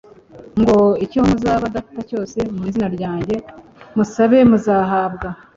ngo :« Icyo muzasaba Data cyose mu izina ryanjye; musabe muzagihabwa,